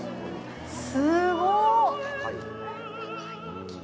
すごっ！